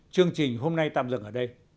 chương trình hôm nay tạm dừng ở đây